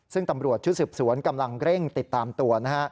ซึ่งตำรวจชุดสืบสวนกำลังเร่งติดตามตัวนะฮะ